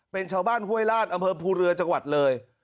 เป็นชาวบ้านห้วยลาดอำเภอภูเรือจังหวัดเลย